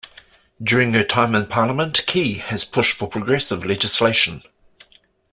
During her time in parliament, Key has pushed for progressive legislation.